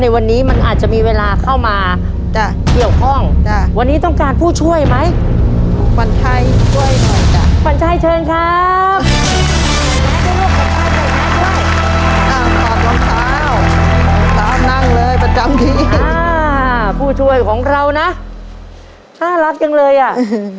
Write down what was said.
ตามขอบรองเตาตามนั่งเลยประจำทีอ่าผู้ช่วยของเราน่ะน่ารักจังเลยอ่ะ